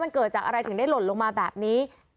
มันเกิดจากอะไรถึงได้หล่นลงมาแบบนี้